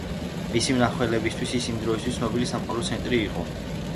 მისი მნახველებისთვის ის იმ დროისთვის ცნობილი სამყაროს ცენტრი იყო.